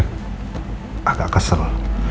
saya agak kesal